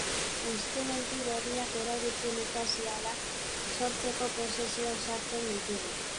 Instrumentu berriak erabiltzen ikasi ahala, sortzeko prozesuan sartzen ditugu.